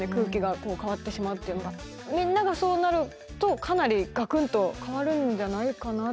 みんながそうなるとかなりガクンと変わるんじゃないかなって。